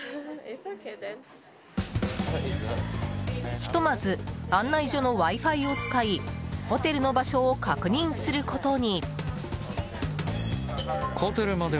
ひとまず案内所のＷｉ‐Ｆｉを使いホテルの場所を確認することに。